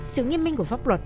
sự nghiêm minh của pháp luật